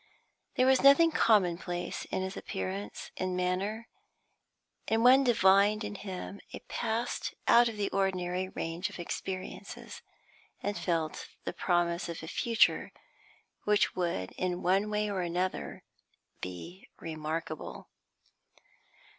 There was nothing commonplace in his appearance and manner; one divined in him a past out of the ordinary range of experiences, and felt the promise of a future which would, in one way or another, be remarkable.